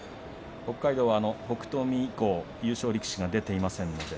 北海道の北勝海以降優勝力士が出ていません。